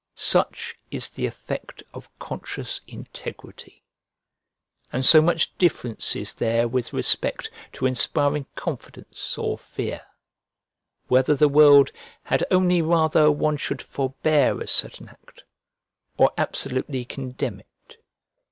Such is the effect of conscious integrity; and so much difference is there with respect to inspiring confidence or fear, whether the world had only rather one should forbear a certain act, or absolutely condemn it.